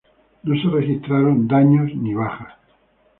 No se registraron daños ni bajas.